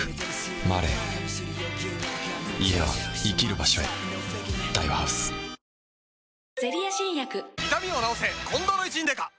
「ＭＡＲＥ」家は生きる場所へあっ！